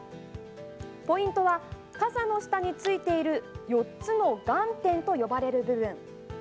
ポイントは、かさの下についている４つの眼点と呼ばれる部分。